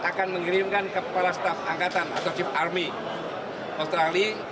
akan mengirimkan kepala staf angkatan atau keep army australia